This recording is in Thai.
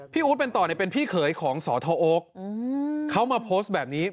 พี่อูธเป็นต่อเป็นพี่เขยของสทโอ๊คเขามาโพสต์แบบนี้